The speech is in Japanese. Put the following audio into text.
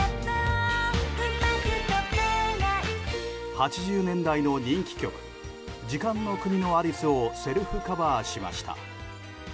８０年代の人気曲「時間の国のアリス」をセルフカバーしました。